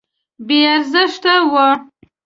بې ارزښته وه.